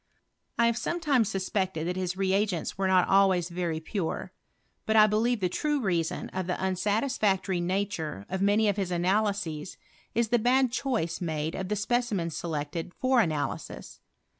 I have some times suspected that his reagents were not always Tery pure ; but I believe the true reason of the un PROGRESa OF ANALYTICAL CREMISTRT. 213 ^tisfactory nature of many of his analyses, is the :li&d choice made of the specimens selected for ana lyeia.